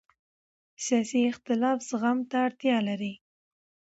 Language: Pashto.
سیاسي اختلاف زغم ته اړتیا لري